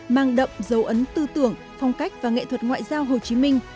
mang đậm dấu ấn tư tưởng phong cách và nghệ thuật ngoại giao hồ chí minh